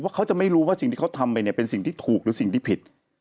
เขาจะไม่รู้ว่าสิ่งที่เขาทำไปเนี่ยเป็นสิ่งที่ถูกหรือสิ่งที่ผิด